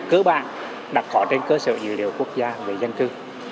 cứ ba đặt họ trên cơ sở dự liệu quốc gia về dân cư